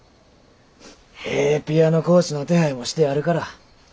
ええピアノ講師の手配もしてあるから。